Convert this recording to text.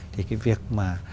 thì việc mà